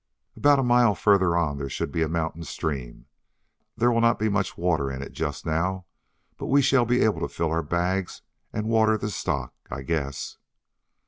"About a mile further on there should be a mountain stream. There will not be much water in it just now, but we shall be able to fill our bags and water the stock, I guess."